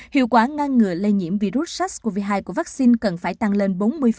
hiệu quả ngăn ngừa lây nhiễm virus sars cov hai của vaccine cần phải tăng lên bốn mươi